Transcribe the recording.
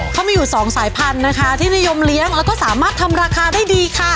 เขามีอยู่สองสายพันธุ์นะคะที่นิยมเลี้ยงแล้วก็สามารถทำราคาได้ดีค่ะ